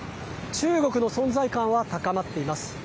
中国の存在感は高まっています。